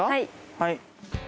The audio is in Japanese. はい。